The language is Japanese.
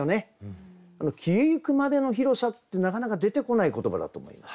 「消えゆくまでの広さ」ってなかなか出てこない言葉だと思います。